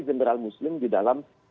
general muslim di dalam